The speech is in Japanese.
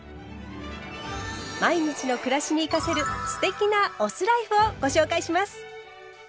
毎日の暮らしに生かせる“酢テキ”なお酢ライフをご紹介します。